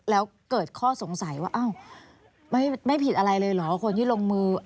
แล้วเกิดข้อสงสัยว่าอ้าวไม่ผิดอะไรเลยเหรอคนที่ลงมือ